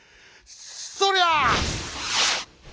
そりゃ」。